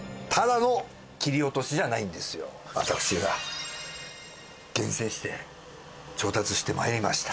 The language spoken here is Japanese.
私が厳選して調達して参りました。